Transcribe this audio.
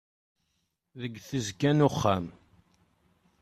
Deg tesga n uxxam.